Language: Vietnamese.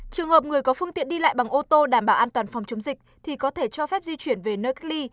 trường hợp người có phương tiện đi lại bằng ô tô đảm bảo an toàn phòng chống dịch thì có thể cho phép di chuyển về nơi cách ly